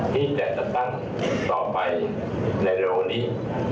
ที่จะตั้งต่อไปในโลกนี้